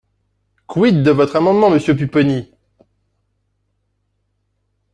Quid de votre amendement, monsieur Pupponi?